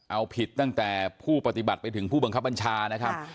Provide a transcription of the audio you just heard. เอาผิดตั้งแต่ผู้ปฏิบัติไปถึงผู้บังคับบัญชานะครับ